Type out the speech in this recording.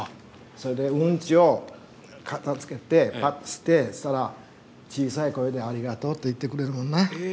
それでうんちを片づけてパット捨てそしたら小さい声で「ありがとう」って言ってくれるもんな。え。